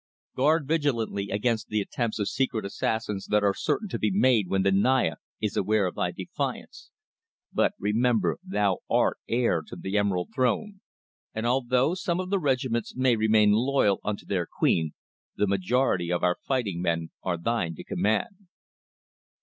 Guard vigilantly against the attempts of secret assassins that are certain to be made when the Naya is aware of thy defiance, but remember thou art heir to the Emerald Throne, and although some of the regiments may remain loyal unto their queen, the majority of our fighting men are thine to command."